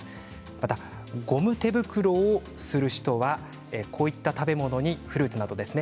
また、ゴム手袋をする人はこういった食べ物にフルーツなどですね